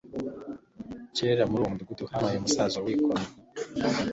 Kera, muri uwo mudugudu habaye umusaza wikomye